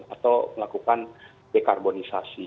atau melakukan dekarbonisasi